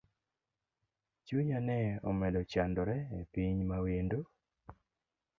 Chunya ne omedo chandore epiny mawendo.